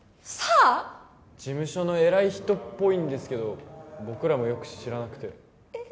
事務所の偉い人っぽいんですけど僕らもよく知らなくてええ